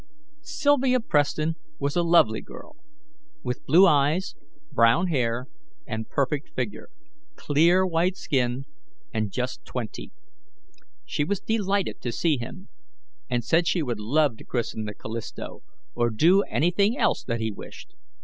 Sylvia Preston was a lovely girl, with blue eyes, brown hair, and perfect figure, clear white skin, and just twenty. She was delighted to see him, and said she would love to christen the Callisto or do anything else that he wished.